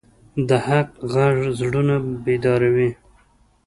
د حق غږ زړونه بیداروي